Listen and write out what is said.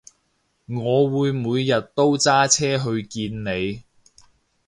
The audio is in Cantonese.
我會每日都揸車去見你